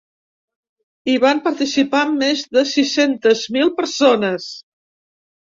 Hi van participar més de sis-centes mil persones.